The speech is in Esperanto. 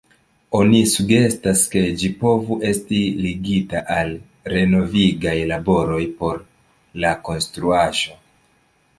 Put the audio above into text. Oni sugestas, ke ĝi povus esti ligita al renovigaj laboroj por la konstruaĵo.